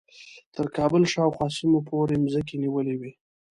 تر کابل شاوخوا سیمو پورې مځکې نیولې وې.